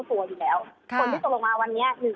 ฝนที่ตกลงมากับน้ำเครื่องสูบน้ำที่อุด